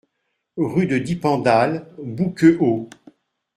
Rue de Dippendal, Bouquehault